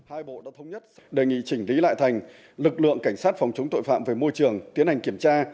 hai bộ đã thống nhất đề nghị chỉnh lý lại thành lực lượng cảnh sát phòng chống tội phạm về môi trường tiến hành kiểm tra